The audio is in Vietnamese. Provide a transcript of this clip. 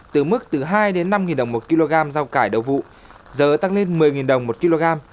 từ mức từ hai năm nghìn đồng một kg rau cải đầu vụ giờ tăng lên một mươi nghìn đồng một kg